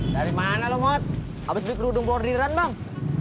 dari mana lo mot abis beli kerudung bordiran bang